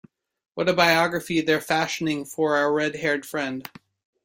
What a biography they're fashioning for our red-haired friend!